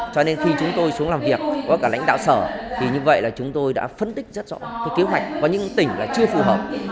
cho nên khi chúng tôi xuống làm việc có cả lãnh đạo sở thì như vậy là chúng tôi đã phân tích rất rõ cái kế hoạch có những tỉnh là chưa phù hợp